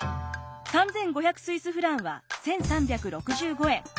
３，５００スイスフランは１，３６５円。